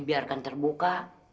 sampai dibiarkan terbuka